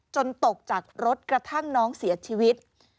ตกจากรถกระทั่งน้องเสียชีวิต